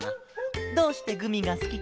どうしてグミがすきケロ？